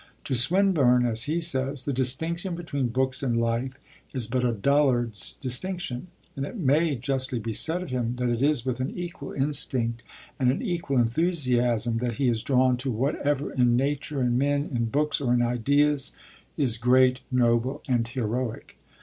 To Swinburne, as he says, the distinction between books and life is but a 'dullard's distinction,' and it may justly be said of him that it is with an equal instinct and an equal enthusiasm that he is drawn to whatever in nature, in men, in books, or in ideas is great, noble, and heroic.